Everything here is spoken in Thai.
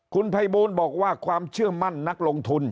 คุณภัยบูลบอกว่าความเชื่อมั่นนักลงทุน